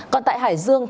còn tại hải dương